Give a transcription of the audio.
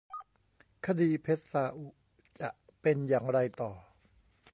คดีเพชรซาอุจะเป็นอย่างไรต่อ